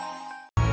gue sama bapaknya